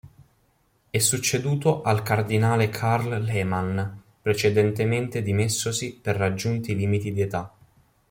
È succeduto al cardinale Karl Lehmann, precedentemente dimessosi per raggiunti limiti di età.